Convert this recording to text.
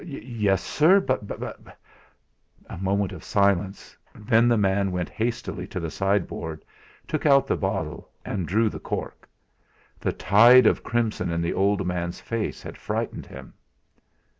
"Yes, sir, but " A minute of silence, then the man went hastily to the sideboard, took out the bottle, and drew the cork. The tide of crimson in the old man's face had frightened him.